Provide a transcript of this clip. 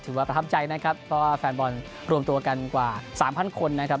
ว่าประทับใจนะครับเพราะว่าแฟนบอลรวมตัวกันกว่าสามพันคนนะครับ